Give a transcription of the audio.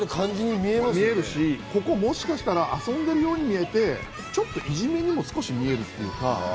ここ、もしかしたら遊んでるように見えて、ちょっといじめにも少し見えるんですよ。